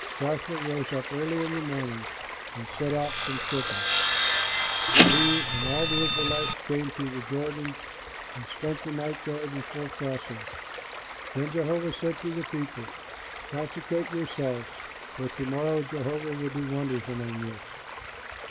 Joshua rose up early in the morning and set out from Shittim. And he and all the Israelites came to the Jordan and spent the night there before crossing. And Joshua said to the people, "Consecrate yourselves, for to morrow Jehovah will do wonders among you.